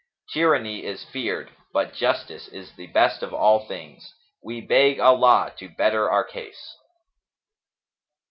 Tyranny is feared: but justice is the best of all things. We beg Allah to better our case!"